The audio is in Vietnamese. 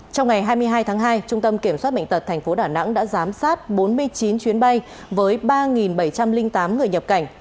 trong ngày hai mươi hai tháng hai trung tâm kiểm soát bệnh tật tp đà nẵng đã giám sát bốn mươi chín chuyến bay với ba bảy trăm linh tám người nhập cảnh